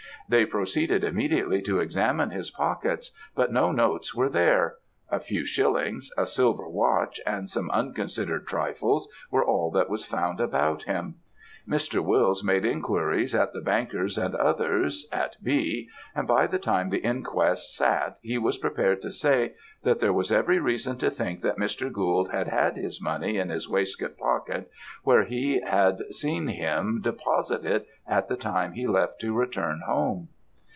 They proceeded immediately to examine his pockets, but no notes were there; a few shillings, a silver watch, and some unconsidered trifles, were all that was found about him. Mr. Wills made inquiries at the banker's and others, at B., and by the time the inquest sat he was prepared to say, that there was every reason to think that Mr. Gould had had this money in his waistcoat pocket, where he had seen him deposit it, at the time he left to return home.